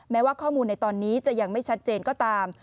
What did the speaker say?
แม้ว่าข้อมูลในตอนนี้จะยังไม่ชัดเจนก็ตาม